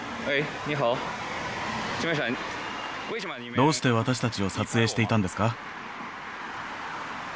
どうして私たちを撮影していたんですか？